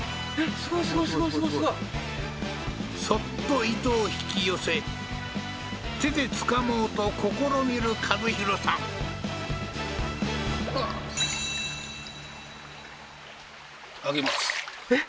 すごいすごいすごいすごいすごいそっと糸を引き寄せ手でつかもうと試みる和宏さんえっ？